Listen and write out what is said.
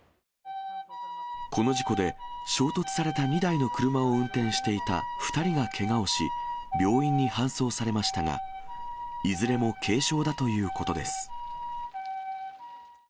この事故で衝突された２台の車を運転していた２人がけがをし、病院に搬送されましたが、いずれも軽傷だということです。